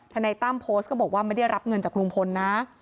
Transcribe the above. นายตั้มโพสต์ก็บอกว่าไม่ได้รับเงินจากลุงพลนะ